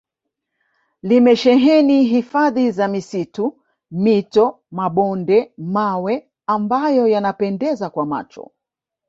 limesheheni hifadhi za misitu mito mabonde mawe ambayo yanapendeza kwa macho